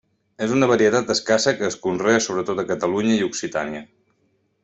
És una varietat escassa que es conrea sobretot a Catalunya i Occitània.